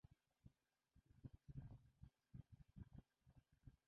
Замежнікі нас цяпер не цікавяць.